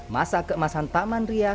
masa keemasan taman ria